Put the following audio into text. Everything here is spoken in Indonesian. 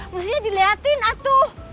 mesti dilihatin atuh